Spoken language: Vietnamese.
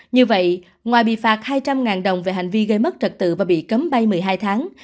như vậy ngoài bị phạt hai trăm linh đồng về hành vi gây mất trật tự và bị cấm bay một mươi hai tháng